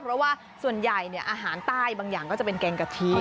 เพราะว่าส่วนใหญ่อาหารใต้บางอย่างก็จะเป็นแกงกะทิ